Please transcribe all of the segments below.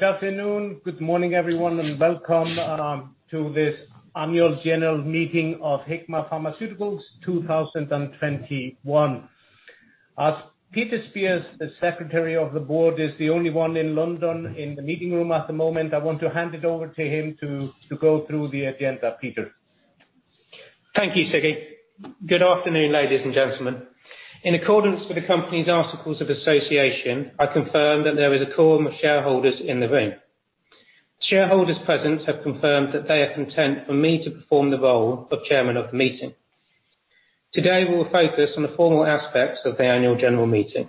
Good afternoon. Good morning, everyone, and welcome to this Annual General Meeting of Hikma Pharmaceuticals, 2021. As Peter Speirs, the Secretary of the Board, is the only one in London in the meeting room at the moment, I want to hand it over to him to go through the agenda. Peter? Thank you, Siggi. Good afternoon, ladies and gentlemen. In accordance with the company's Articles of Association, I confirm that there is a quorum of shareholders in the room. Shareholders present have confirmed that they are content for me to perform the role of chairman of the meeting. Today, we will focus on the formal aspects of the Annual General Meeting,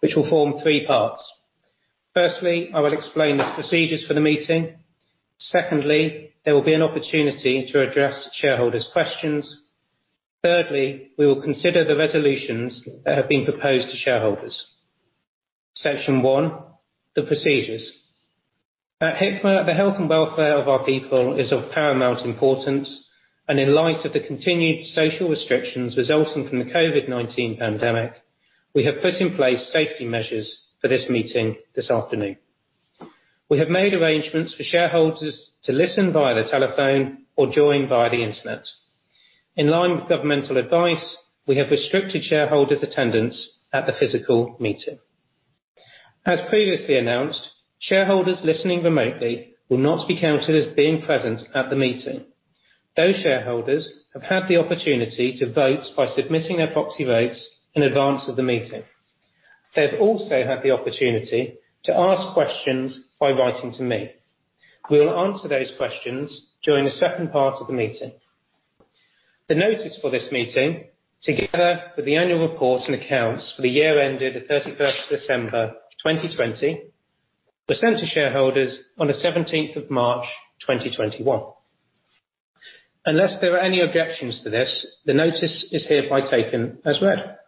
which will form three parts. Firstly, I will explain the procedures for the meeting. Secondly, there will be an opportunity to address the shareholders' questions. Thirdly, we will consider the resolutions that have been proposed to shareholders. Section one, the procedures. At Hikma, the health and welfare of our people is of paramount importance, and in light of the continued social restrictions resulting from the COVID-19 pandemic, we have put in place safety measures for this meeting this afternoon. We have made arrangements for shareholders to listen via the telephone or join via the internet. In line with governmental advice, we have restricted shareholders' attendance at the physical meeting. As previously announced, shareholders listening remotely will not be counted as being present at the meeting. Those shareholders have had the opportunity to vote by submitting their proxy votes in advance of the meeting. They've also had the opportunity to ask questions by writing to me. We will answer those questions during the second part of the meeting. The notice for this meeting, together with the annual reports and accounts for the year ended the 31st of December, 2020, was sent to shareholders on the 17th of March, 2021. Unless there are any objections to this, the notice is hereby taken as read.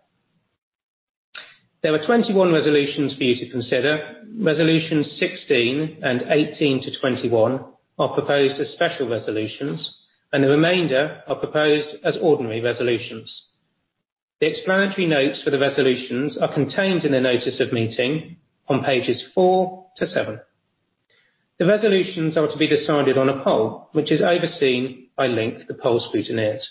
There are 21 resolutions for you to consider. Resolutions 16 and 18-21 are proposed as special resolutions, and the remainder are proposed as ordinary resolutions. The explanatory notes for the resolutions are contained in the notice of meeting on pages 4-7. The resolutions are to be decided on a poll, which is overseen by Link, the poll scrutineers.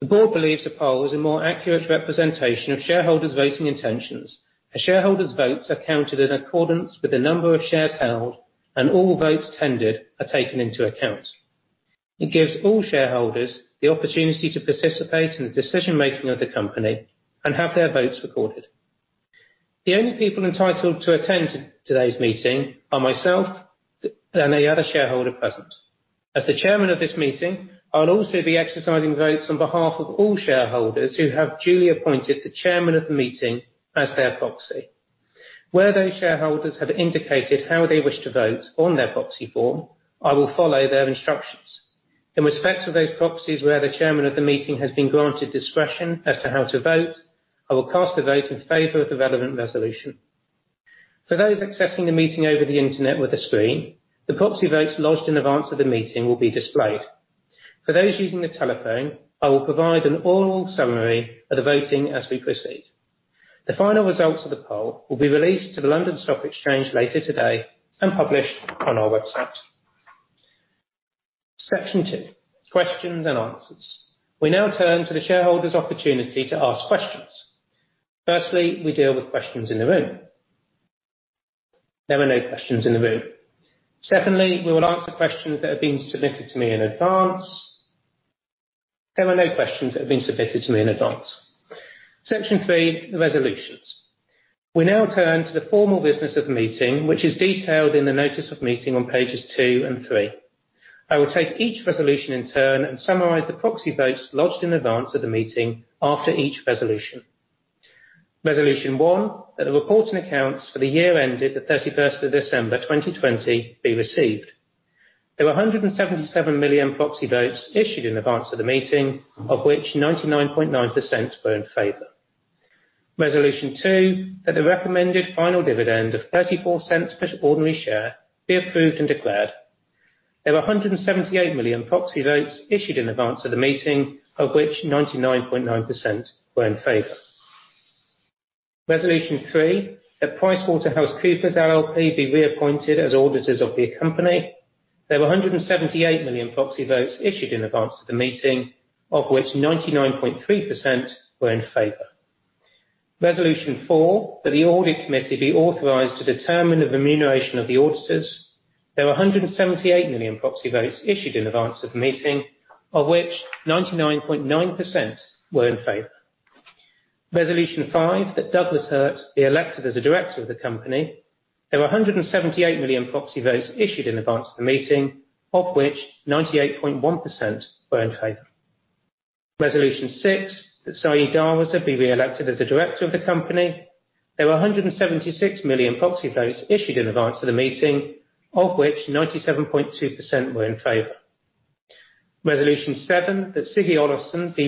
The board believes the poll is a more accurate representation of shareholders' voting intentions, as shareholders' votes are counted in accordance with the number of shares held, and all votes tendered are taken into account. It gives all shareholders the opportunity to participate in the decision-making of the company and have their votes recorded. The only people entitled to attend today's meeting are myself and any other shareholder present. As the chairman of this meeting, I'll also be exercising votes on behalf of all shareholders who have duly appointed the chairman of the meeting as their proxy. Where those shareholders have indicated how they wish to vote on their proxy form, I will follow their instructions. In respect to those proxies, where the chairman of the meeting has been granted discretion as to how to vote, I will cast a vote in favor of the relevant resolution. For those accessing the meeting over the internet with a screen, the proxy votes lodged in advance of the meeting will be displayed. For those using the telephone, I will provide an oral summary of the voting as we proceed. The final results of the poll will be released to the London Stock Exchange later today and published on our website. Section two, questions and answers. We now turn to the shareholders' opportunity to ask questions. Firstly, we deal with questions in the room. There are no questions in the room. Secondly, we will answer questions that have been submitted to me in advance. There are no questions that have been submitted to me in advance. Section three, resolutions. We now turn to the formal business of the meeting, which is detailed in the notice of meeting on pages 2 and 3. I will take each resolution in turn and summarize the proxy votes lodged in advance of the meeting after each resolution. Resolution one, that the report and accounts for the year ended the 31st of December, 2020, be received. There were 177 million proxy votes issued in advance of the meeting, of which 99.9% were in favor. Resolution 2, that the recommended final dividend of $0.34 per ordinary share be approved and declared. There were 178 million proxy votes issued in advance of the meeting, of which 99.9% were in favor. Resolution 3, that PricewaterhouseCoopers LLP be reappointed as auditors of the company. There were 178 million proxy votes issued in advance of the meeting, of which 99.3% were in favor. Resolution 4, that the Audit Committee be authorized to determine the remuneration of the auditors. There were 178 million proxy votes issued in advance of the meeting, of which 99.9% were in favor. Resolution 5, that Douglas Hurt be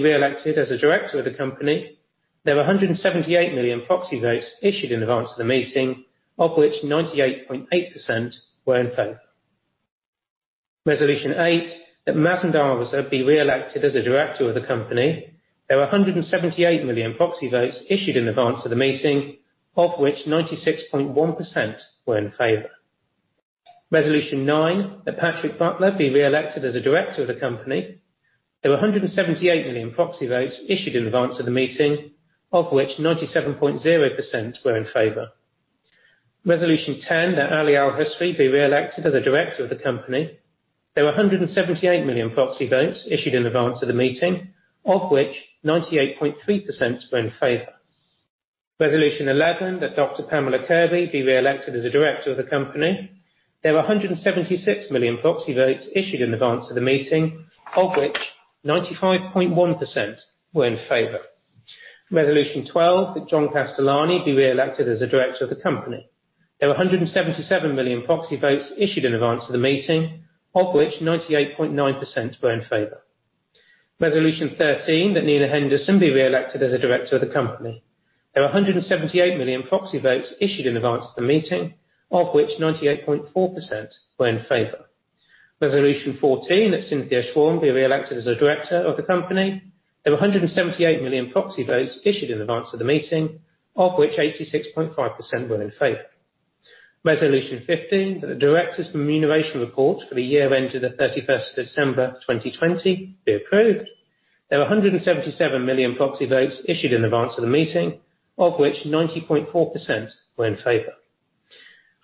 elected as a director of the company. There were 178 million proxy votes issued in advance of the meeting, of which 98.1% were in favor. Resolution six, that Said Darwazah be re-elected as a director of the company. There were 176 million proxy votes issued in advance of the meeting, of which 97.2% were in favor. Resolution seven, that Siggi Olafsson be re-elected as a director of the company. There were 178 million proxy votes issued in advance of the meeting,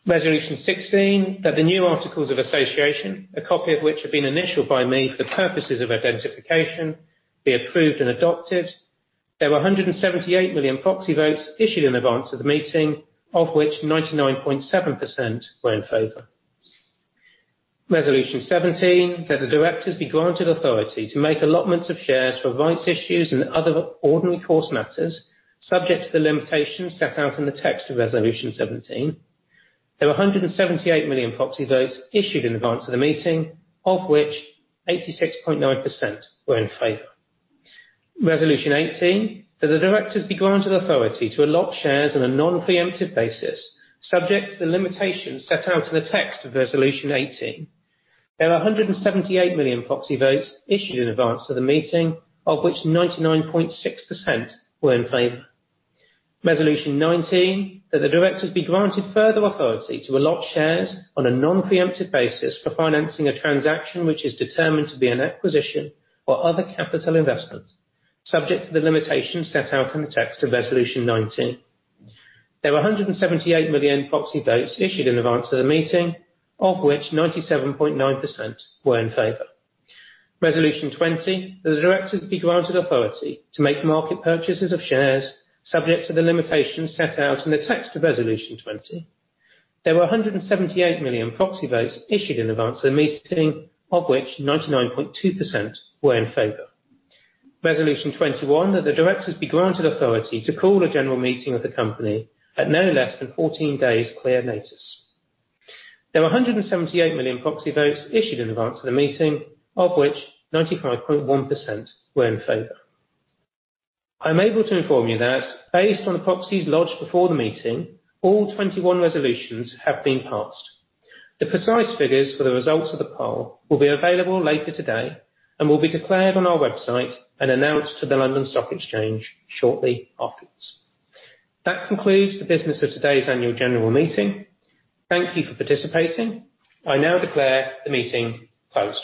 Resolution 16, that the new Articles of Association, a copy of which have been initialed by me for the purposes of identification, be approved and adopted. There were 178 million proxy votes issued in advance of the meeting, of which 99.7% were in favor. Resolution 17, that the directors be granted authority to make allotments of shares for rights issues and other ordinary course matters, subject to the limitations set out in the text of resolution 17. There were 178 million proxy votes issued in advance of the meeting, of which 86.9% were in favor. Resolution 18, that the directors be granted authority to allot shares on a non-preemptive basis, subject to the limitations set out in the text of resolution 18. There were 178 million proxy votes issued in advance of the meeting, of which 99.6% were in favor. Resolution 19, that the directors be granted further authority to allot shares on a non-preemptive basis for financing a transaction which is determined to be an acquisition or other capital investment, subject to the limitations set out in the text of resolution 19. There were 178 million proxy votes issued in advance of the meeting, of which 97.9% were in favor. Resolution 20, that the directors be granted authority to make market purchases of shares, subject to the limitations set out in the text of resolution 20. There were 178 million proxy votes issued in advance of the meeting, of which 99.2% were in favor. Resolution 21, that the directors be granted authority to call a general meeting of the company at no less than 14 days clear notice. There were 178 million proxy votes issued in advance of the meeting, of which 95.1% were in favor. I am able to inform you that based on the proxies lodged before the meeting, all 21 resolutions have been passed. The precise figures for the results of the poll will be available later today and will be declared on our website and announced to the London Stock Exchange shortly afterwards. That concludes the business of today's Annual General Meeting. Thank you for participating. I now declare the meeting closed.